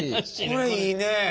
これいいね！